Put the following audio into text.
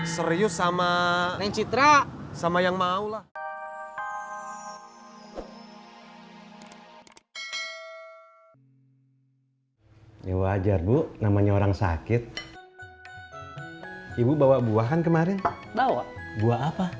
serius sama neng citra